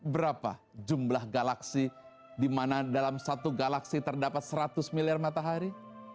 berapa jumlah galaksi di mana dalam satu galaksi terdapat seratus miliar matahari